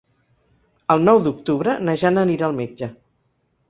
El nou d'octubre na Jana anirà al metge.